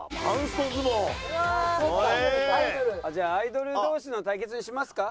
じゃあアイドル同士の対決にしますか？